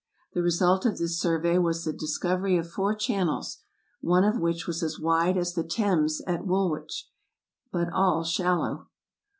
The result of this survey was the discovery of four channels, one of which was as wide as the Thames at Woolwich, but all shallow.